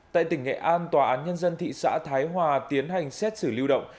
tại tỉnh nghệ an tòa án nhân dân thị xã thái hòa tiến hành xét xử lưu động